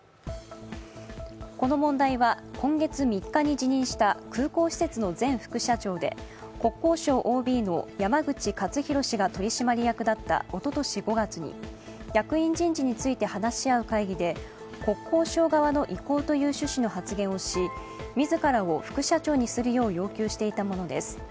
この問題は、今月３日に辞任した空港施設の前副社長で国交省ＯＢの山口勝弘氏が取締役だったおととし５月に役員人事について話し合う会議で国交省側の意向という趣旨の発言をし、自らを副社長にするよう要求していたものです。